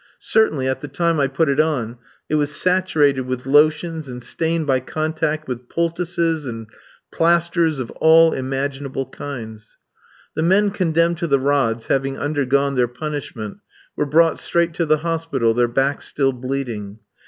Certainly, at the time I put it on, it was saturated with lotions, and stained by contact with poultices and plasters of all imaginable kinds. The men condemned to the rods, having undergone their punishment, were brought straight to the hospital, their backs still bleeding.